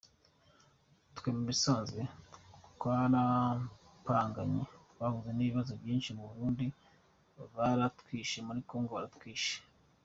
"Twe mu bisanzwe twaraparanganye, twahuye n'ibibazo vyinshi: mu Burundi baratwishe, muri Congo baratwishe.